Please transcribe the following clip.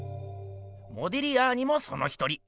モディリアーニもその一人。